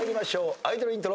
アイドルイントロ。